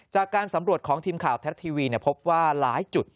จากการสำรวจของทีมข่าวทัศน์ทีวีพบว่าหลายจุด